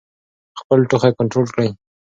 خپل ټوخی کنټرول کړئ.